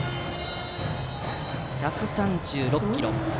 １３６キロ。